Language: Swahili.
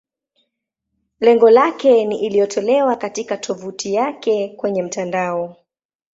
Lengo lake ni iliyotolewa katika tovuti yake kwenye mtandao.